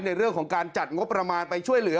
ในเรื่องของการจัดงบประมาณไปช่วยเหลือ